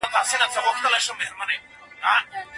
جنګونه د ټولني نظم له منځه وړي.